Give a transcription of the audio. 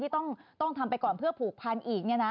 ต้องทำไปก่อนเพื่อผูกพันอีก